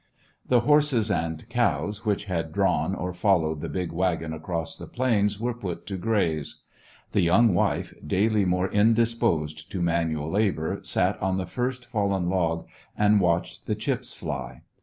The horses and cows which had drawn or followed the big wagon across the plains were put to graze. The young wife, daily more indis posed to manual labor, sat on the first fallen log and watched the chips fly.